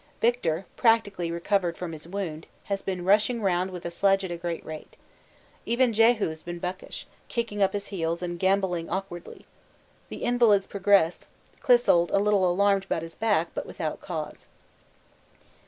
Victor, practically recovered from his wound, has been rushing round with a sledge at a great rate. Even Jehu has been buckish, kicking up his heels and gambolling awkwardly. The invalids progress, Clissold a little alarmed about his back, but without cause.